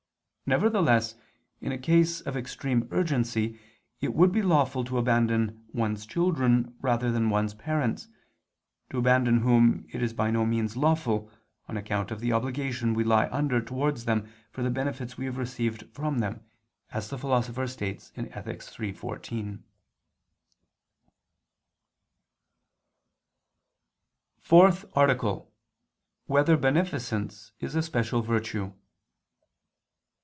Nevertheless in a case of extreme urgency it would be lawful to abandon one's children rather than one's parents, to abandon whom it is by no means lawful, on account of the obligation we lie under towards them for the benefits we have received from them, as the Philosopher states (Ethic. iii, 14). _______________________ FOURTH ARTICLE [II II, Q. 31, Art. 4] Whether Beneficence Is a Special Virtue?